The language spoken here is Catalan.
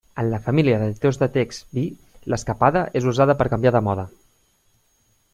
En la família d'editors de text vi, l'escapada és usada per canviar de mode.